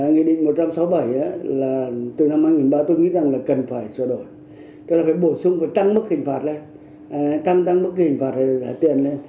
nghị định một trăm sáu mươi bảy là từ năm hai nghìn ba tôi nghĩ rằng là cần phải sửa đổi tức là phải bổ sung phải tăng mức hình phạt lên tăng mức hình phạt rồi trả tiền lên